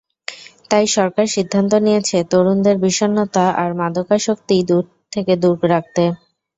তাই সরকার সিদ্ধান্ত নিয়েছে, তরুণদের বিষণ্নতা আর মাদকাসক্তি থেকে দূরে রাখতে।